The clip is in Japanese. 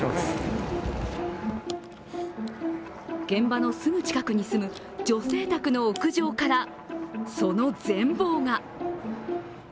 現場のすぐ近くに住む女性宅の屋上からその全貌が。